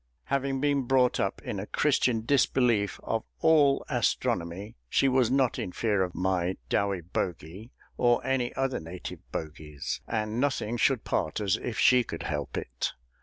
Having been brought up in a Christian disbelief of all astronomy, she was not in fear of my "doweybogey" or any other native bogies, and nothing should part us, if she could help it.